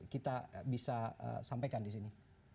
kita bisa sampaikan di sini